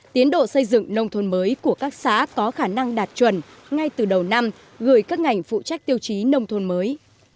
tiến độ xây dựng nông thôn mới của các xã có khả năng đạt chuẩn ngay từ đầu năm gửi các ngành phụ trách tiêu chí nông thôn mới